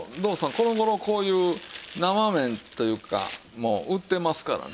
この頃こういう生麺というかもう売ってますからね。